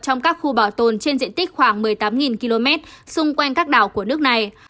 trong các khu bảo tồn trên diện tích khoảng một mươi tám km xung quanh các đảo của nước này